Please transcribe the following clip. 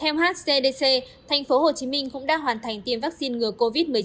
theo hcdc tp hcm cũng đã hoàn thành tiêm vaccine ngừa covid một mươi chín mũi một